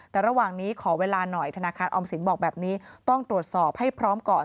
แต่ระหว่างนี้ขอเวลาหน่อยธนาคารออมสินบอกแบบนี้ต้องตรวจสอบให้พร้อมก่อน